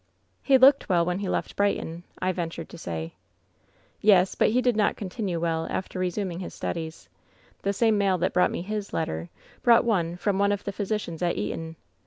*" ^He looked well when he left Brighton,' I ventured to «ay. " 'Yes ; but he did not continue well after resuming his studies. The same mail that brought me his letter brought one from one of the physicians at Eton.